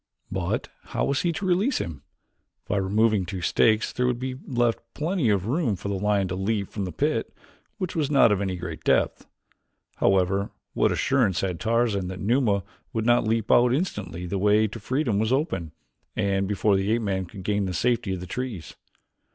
But how was he to release him? By removing two stakes there would be left plenty of room for the lion to leap from the pit, which was not of any great depth. However, what assurance had Tarzan that Numa would not leap out instantly the way to freedom was open, and before the ape man could gain the safety of the trees?